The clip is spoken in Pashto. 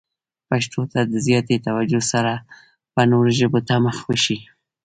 پښتو ته د زیاتې توجه سره به نورو ژبو ته مخه وشي.